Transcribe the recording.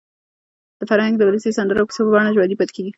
فرهنګ د ولسي سندرو او کیسو په بڼه ژوندي پاتې کېږي.